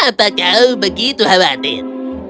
apa yang terjadi mendy kenapa kau begitu khawatir